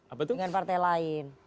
apa tuh dengan partai lain